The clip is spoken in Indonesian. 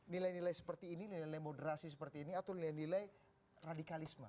nilai nilai seperti ini nilai nilai moderasi seperti ini atau nilai nilai radikalisme